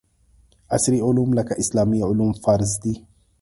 عصري علوم لکه اسلامي علوم فرض دي